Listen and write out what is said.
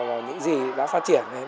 và những gì đã phát triển